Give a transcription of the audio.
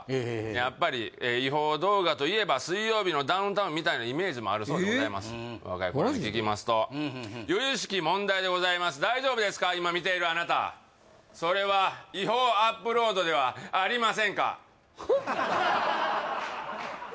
やっぱり違法動画といえば「水曜日のダウンタウン」みたいなイメージもあるそうでございます若い子らに聞きますとゆゆしき問題でございます大丈夫ですか今見ているあなたそれは違法アップロードではありませんか？